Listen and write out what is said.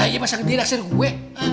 ya iya masa nanti dia naksir gue